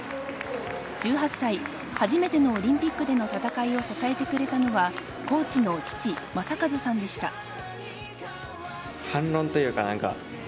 １８歳初めてのオリンピックでの戦いを支えてくれたのはコーチの父・正和さんでした。